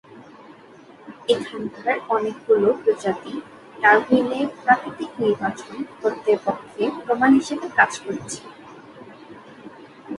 এখানকার অনেকগুলো প্রজাতি ডারউইনের প্রাকৃতিক নির্বাচন তত্ত্বের পক্ষে প্রমাণ হিসেবে কাজ করেছে।